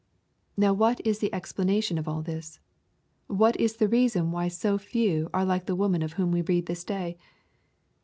Now what is the explanation of all this ? What is the reason why so few are like the woman of whom we read this day